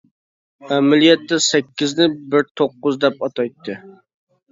ئەمەلىيەتتە سەككىزنى بىر توققۇز دەپ ئاتايتتى.